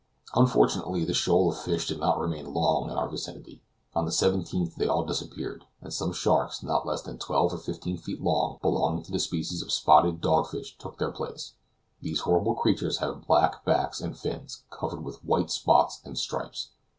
Unfortunately the shoal of fish did not remain long in our vicinity. On the 17th they all disappeared, and some sharks, not less than twelve or fifteen feet long, belonging to the species of the spotted dog fish, took their place. These horrible creatures have black backs and fins, covered with white spots and stripes.